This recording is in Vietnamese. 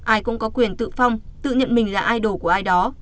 ai cũng có quyền tự phong tự nhận mình là idol của ai đó